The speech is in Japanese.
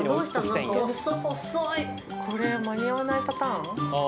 これ間に合わないパターン？